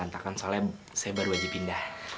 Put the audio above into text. masih berantakan soalnya saya baru aja pindah